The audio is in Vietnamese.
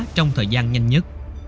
trong thời gian nhanh nhất